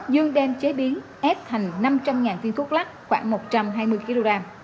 dương đem chế biến ép thành năm trăm linh phiên thuốc lắc khoảng một trăm hai mươi kg